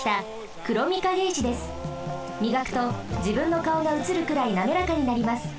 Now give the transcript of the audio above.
みがくとじぶんのかおがうつるくらいなめらかになります。